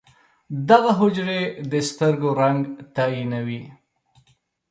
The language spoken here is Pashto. دغه حجرې د سترګو رنګ تعیینوي.